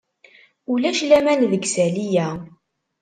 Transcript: Ulac laman deg isalli-a.